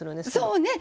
そうね